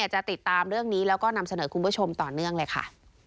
จะติดตามเรื่องนี้แล้วก็นำเสนอคุณผู้ชมต่อเนื่องเลยค่ะ